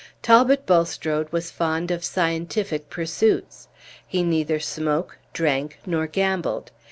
Talbot Bulstrode was fond of scientific pursuits; he neither smoked, drank, nor gambled.